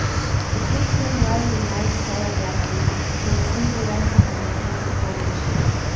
The fleet then weighed and made sail down the river, to receive the ransom from the town before mentioned.